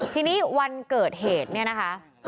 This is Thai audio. ทีนี้วันเกิดเหตุเนี่ยนะคะ